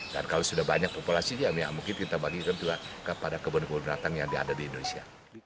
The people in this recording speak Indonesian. dan kalau sudah banyak populasi ya mungkin kita bagikan juga kepada kebun kebun binatang yang ada di indonesia